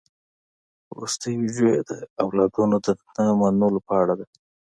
وروستۍ ويډيو يې د اولادونو د نه منلو په اړه ده.